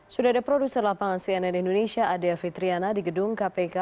sudah ada produser lapangan cnn indonesia adia fitriana di gedung kpk